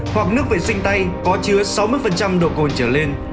hoặc nước vệ sinh tay có chứa sáu mươi độ cồn trở lên